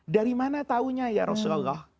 dari mana tahunya ya rasulullah